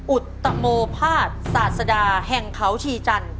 อุตโมภาษศาสดาแห่งเขาชีจันทร์